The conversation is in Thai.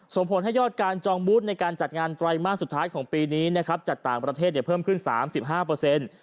ส่งผลให้ยอดการจองบูธในการจัดงานไตรมาสสุดท้ายของปีนี้นะครับจากต่างประเทศเนี่ยเพิ่มขึ้น๓๕เปอร์เซ็นต์